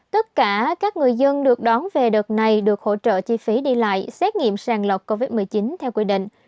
tất cả các người dân được đón về đợt này được hỗ trợ chi phí đi lại xét nghiệm sàng lọc covid một mươi chín theo quy định